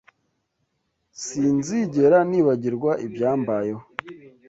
S Sinzigera nibagirwa ibyambayeho.